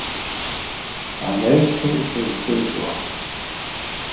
Анаҩсан сыздырго.